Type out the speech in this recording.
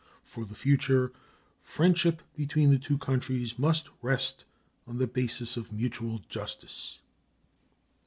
For the future, friendship between the two countries must rest on the basis of mutual justice.